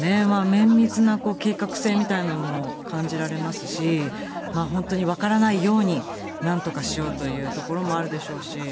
綿密な計画性みたいなものも感じられますし、本当に分からないように、なんとかしようというところもあるでしょうし。